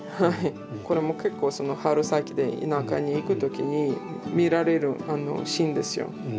これも結構春先で田舎に行く時に見られるシーンですよ。